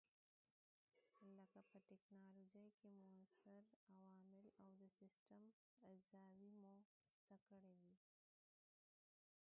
لکه په ټېکنالوجۍ کې موثر عوامل او د سیسټم اجزاوې مو زده کړې وې.